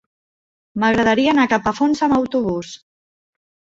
M'agradaria anar a Capafonts amb autobús.